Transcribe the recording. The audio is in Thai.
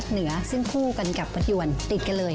ซึ่งพูดกันกับวัฒนิยวันติดกันเลย